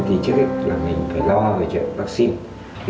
thì trước hết là mình phải lo về chuyện vaccine